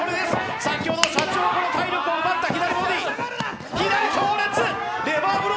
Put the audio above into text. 先ほど、シャチホコの体力を奪った左ボディー。